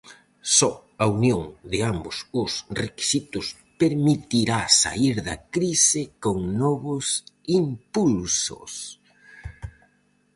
Só a unión de ambos os requisitos permitirá saír da crise con novos impulsos.